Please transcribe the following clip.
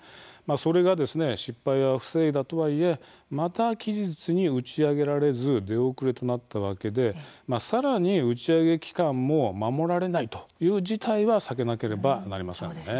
それが失敗を防いだとはいえまた期日に打ち上げられず出遅れとなったわけでさらに打ち上げ期間も守られないという事態は避けなければなりません。